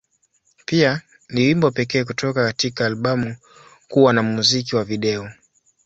Pia, ni wimbo pekee kutoka katika albamu kuwa na muziki wa video.